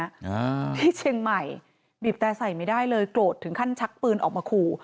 อ่าที่เชียงใหม่บีบแต่ใส่ไม่ได้เลยโกรธถึงขั้นชักปืนออกมาขู่